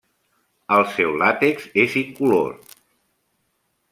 El seu làtex és incolor.